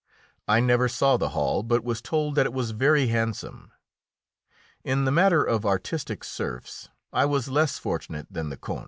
I never saw the hall, but was told that it was very handsome. In the matter of artistic serfs I was less fortunate than the Count.